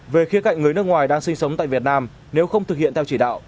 về khía cạnh người nước ngoài đang sinh sống tại việt nam nếu không thực hiện theo chỉ đạo